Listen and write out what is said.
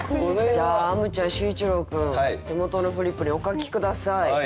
じゃああむちゃん秀一郎君手元のフリップにお書き下さい。